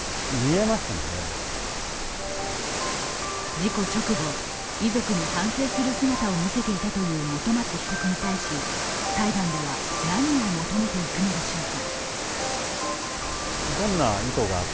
事故直後、遺族に反省する姿を見せていたという本松被告に対し裁判では何を求めていくのでしょうか。